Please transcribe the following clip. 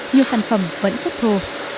nhưng sản phẩm vẫn xuất thô